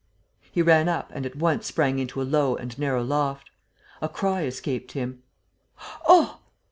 He ran up and at once sprang into a low and narrow loft. A cry escaped him: "Oh!"